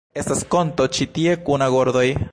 Estas konto ĉi tie kun agordoj